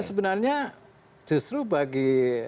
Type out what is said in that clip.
ya sebenarnya justru bagi